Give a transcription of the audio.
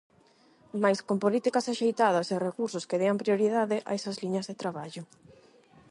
Mais con políticas axeitadas e recursos que dean prioridade a esas liñas de traballo.